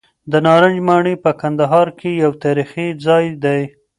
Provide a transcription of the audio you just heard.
د نارنج ماڼۍ په کندهار کې یو تاریخي ځای دی.